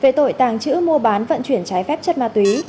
về tội tàng trữ mua bán vận chuyển trái phép chất ma túy